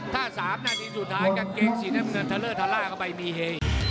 ถ้า๓นาทีสุดท้ายกันเก่งสิถ้าเลิกถ้าล่าก็ไม่มีเฮ